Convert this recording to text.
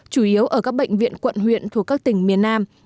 chủ yếu ở các bệnh viện quận huyện thuộc các tỉnh miền nam